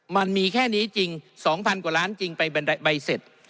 มันมีแค่นี้จริง๒๐๐กว่าล้านจริงไปใบเสร็จ